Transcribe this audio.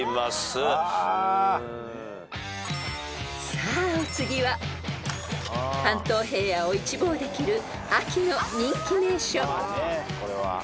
［さあお次は関東平野を一望できる秋の人気名所］